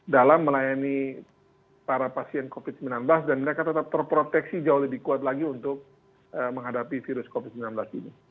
dalam melayani para pasien covid sembilan belas dan mereka tetap terproteksi jauh lebih kuat lagi untuk menghadapi virus covid sembilan belas ini